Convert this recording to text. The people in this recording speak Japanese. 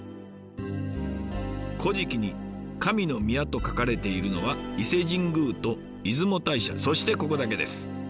「古事記」に「神の宮」と書かれているのは伊勢神宮と出雲大社そしてここだけです。